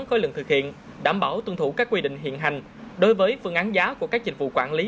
khối lượng thực hiện đảm bảo tuân thủ các quy định hiện hành đối với phương án giá của các dịch vụ quản lý